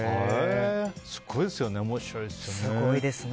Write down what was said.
すごいですよね、面白いですね。